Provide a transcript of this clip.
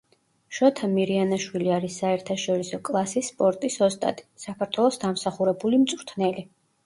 შოთა მირიანაშვილი არის საერთაშორისო კლასის სპორტის ოსტატი, საქართველოს დამსახურებული მწვრთნელი.